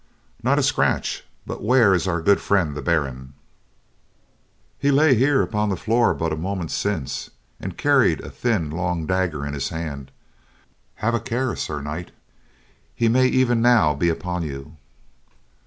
"Not a scratch, but where is our good friend the Baron?" "He lay here upon the floor but a moment since, and carried a thin long dagger in his hand. Have a care, Sir Knight, he may even now be upon you."